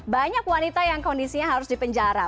banyak wanita yang kondisinya harus di penjara